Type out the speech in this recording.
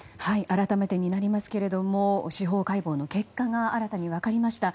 改めてになりますけれども司法解剖の結果が新たに分かりました。